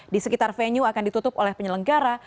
di sekitar venue akan ditutup oleh penyelenggara